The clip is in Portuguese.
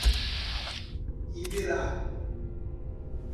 Ibirá